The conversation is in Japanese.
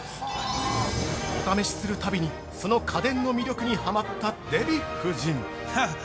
◆お試しする度に、その家電の魅力にハマったデヴィ夫人。